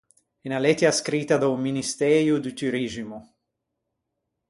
Unna lettia scrita da-o Ministëio do Turiximo.